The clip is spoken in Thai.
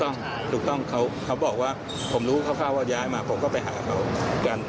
ถูกต้องถูกต้องเขาบอกว่าผมรู้คร่าวว่าย้ายมาผมก็ไปหาเขากัน